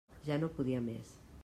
Ja no podia més.